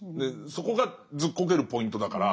そこがずっこけるポイントだから。